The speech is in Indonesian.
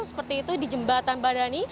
seperti itu di jembatan